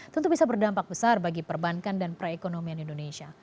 tentu bisa berdampak besar bagi perbankan dan perekonomian indonesia